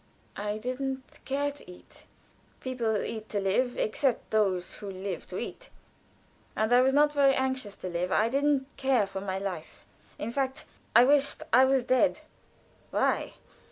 "I didn't care to eat. People eat to live except those who live to eat, and I was not very anxious to live, I didn't care for my life, in fact, I wished I was dead." "Why?